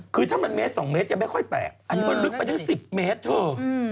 คือถ้ามันเมตร๒เมตรยังไม่ค่อยแปลกอันนี้มันลึกไปทั้ง๑๐เมตรเถอะ